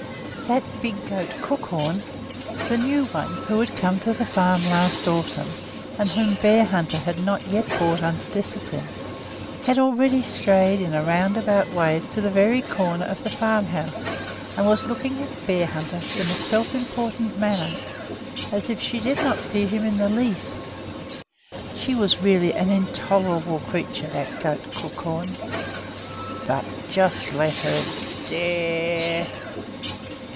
That big goat, Crookhorn, the new one who had come to the farm last autumn and whom Bearhunter had not yet brought under discipline, had already strayed in a roundabout way to the very corner of the farmhouse, and was looking at Bearhunter in a self important manner, as if she did not fear him in the least. She was really an intolerable creature, that goat Crookhorn! But just let her dare